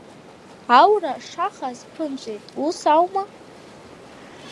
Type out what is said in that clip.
Аура ашаха азԥымҵәеит, ус аума?